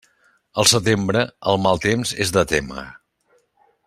Al setembre, el mal temps és de témer.